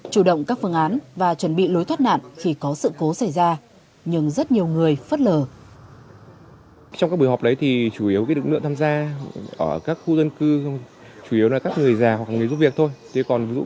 chủ động các phương án và chuẩn bị lối thoát nạn khi có sự cố xảy ra nhưng rất nhiều người phớt lờ